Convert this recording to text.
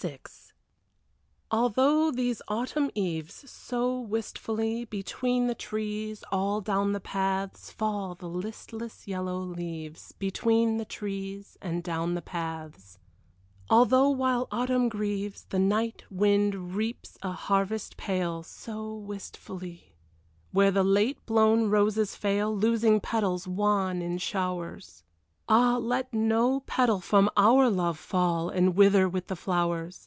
XXVI Although, these Autumn eves, So wistfully, Between the trees, all down the paths Fall the listless yellow leaves Between the trees and down the paths, Although while Autumn grieves, The night wind reaps a harvest pale, So wistfully, Where the late blown roses fail Loosing petals wan in showers Ah, let no petal from our love Fall and wither with the flowers.